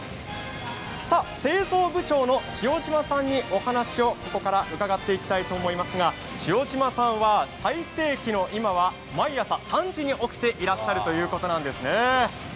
製造部長の塩島さんにお話を伺っていきたいと思いますが塩島さんは最盛期の今は、毎朝３時に起きていらっしゃるということなんですね。